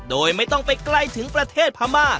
โดยไม่ต้องไปไกลถึงประเทศพม่า